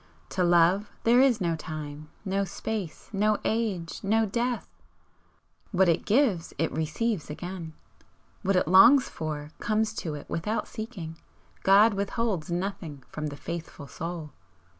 To Love there is no time, no space, no age, no death! what it gives it receives again, what it longs for comes to it without seeking God withholds nothing from the faithful soul!"